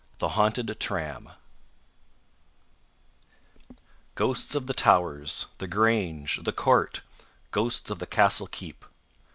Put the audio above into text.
THE HAUNTED TRAM Ghosts of The Towers, The Grange, The Court, Ghosts of the Castle Keep.